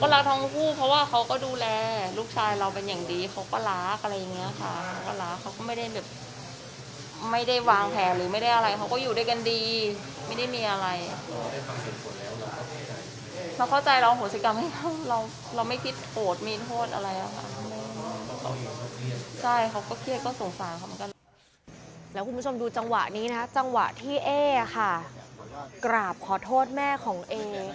แล้วคุณผู้ชมดูจังหวะนี้นะจังหวะที่เอ๊ค่ะกราบขอโทษแม่ของเอ